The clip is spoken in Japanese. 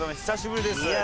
久しぶりです。